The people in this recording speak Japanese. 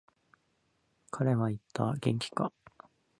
彼は言った、元気か。